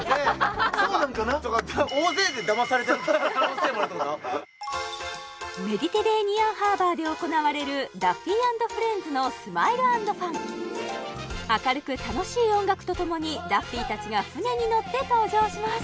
すげえでも俺らメディテレーニアンハーバーで行われるダッフィー＆フレンズのスマイル＆ファン明るく楽しい音楽とともにダッフィーたちが船に乗って登場します